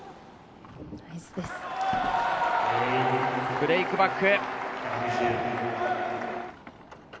ブレークバック。